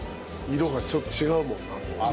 色がちょっと違うもんな。